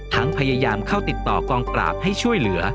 พยายามเข้าติดต่อกองปราบให้ช่วยเหลือ